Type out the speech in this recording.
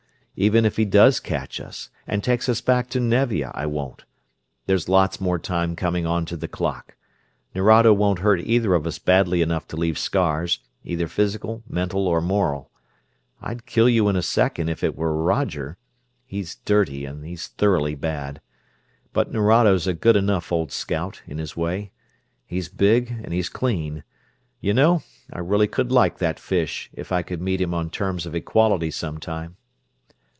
Even if he does catch us, and takes us back to Nevia, I won't. There's lots more time coming onto the clock. Nerado won't hurt either of us badly enough to leave scars, either physical, mental, or moral. I'd kill you in a second if it were Roger; he's dirty and he's thoroughly bad. But Nerado's a good enough old scout, in his way. He's big and he's clean. You know, I could really like that fish, if I could meet him on terms of equality sometime?"